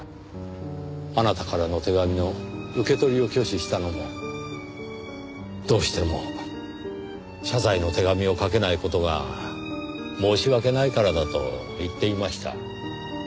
あなたからの手紙の受け取りを拒否したのもどうしても謝罪の手紙を書けない事が申し訳ないからだと言っていました。